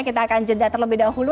kita akan jeda terlebih dahulu